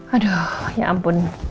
aduh ya ampun